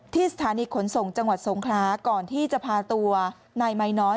สถานีขนส่งจังหวัดสงคราก่อนที่จะพาตัวนายมายน้อย